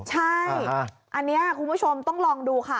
ใช่อันนี้คุณผู้ชมต้องลองดูค่ะ